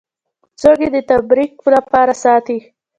څوک یې د تبرک لپاره ساتي.